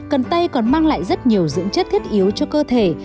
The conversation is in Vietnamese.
cần tay còn mang lại rất nhiều dưỡng chất thiết yếu cho cơ thể